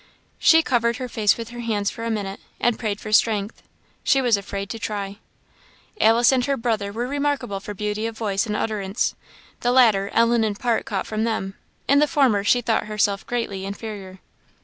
She covered her face with her hands for a minute, and prayed for strength; she was afraid to try. Alice and her brother were remarkable for beauty of voice and utterance. The latter, Ellen in part caught from them; in the former she thought herself greatly inferior.